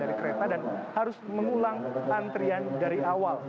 dan harus mengulang antrean dari awal